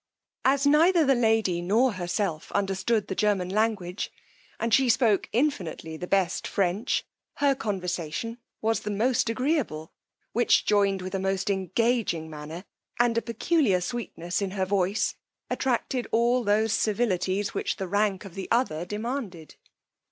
As neither her lady nor herself understood the German language, and she spoke infinitely the best French, her conversation was the most agreeable, which, joined with a most engaging manner, and a peculiar sweetness in her voice, attracted all those civilities which the rank of the other demanded.